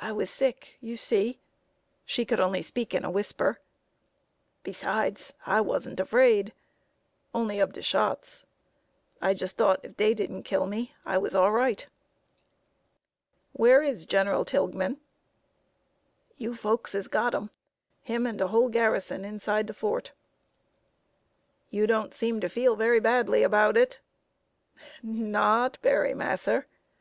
"I was sick, you see" (she could only speak in a whisper); "besides, I wasn't afraid only ob de shots. I just thought if dey didn't kill me I was all right." "Where is General Tilghman?" "You folks has got him him and de whole garrison inside de fort." "You don't seem to feel very badly about it." "Not berry, mass'r!"